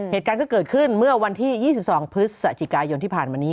เหตุการณ์ก็เกิดขึ้นเมื่อวันที่๒๒พฤศจิกายนที่ผ่านมานี้